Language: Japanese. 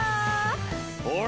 ほら！